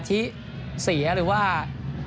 ส่วนที่สุดท้ายส่วนที่สุดท้าย